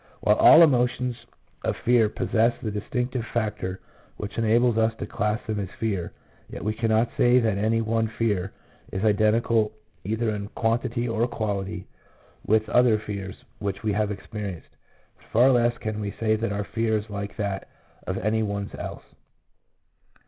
While all emotions of fear possess the distinctive factor which enables us to class them as fear, yet we cannot say that any one fear is identical either in quantity or quality with other fears which we have experienced ; far less can we say that our fear is like that of any one's else.